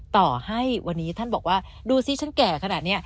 ต่อให้วันนี้ท่านบอกว่าดูสิฉันแก่ขนาดนี้